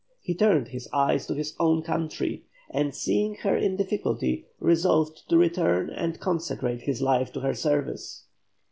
He turned his eyes to his own country, and seeing her in difficulty resolved to return and consecrate his life to her service.